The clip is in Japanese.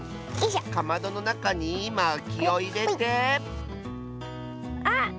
かまどのなかにまきをいれてあっ！